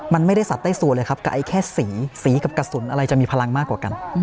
มันไม่ได้สัดใต้สัวเลยครับกับไอ้แค่สีสีกับกระสุนอะไรจะมีพลังมากกว่ากัน